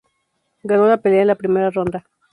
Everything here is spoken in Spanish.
Ganó la pelea en la primera ronda.